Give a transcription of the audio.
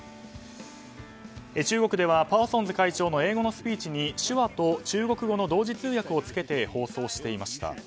中国ではパーソンズ会長の英語のスピーチに手話と中国語の同時通訳をつけて放送していました。